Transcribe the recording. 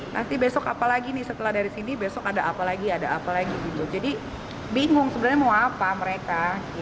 nanti besok apa lagi nih setelah dari sini besok ada apa lagi ada apa lagi gitu jadi bingung sebenarnya mau apa mereka